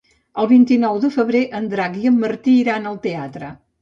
El vint-i-nou de febrer en Drac i en Martí iran al teatre.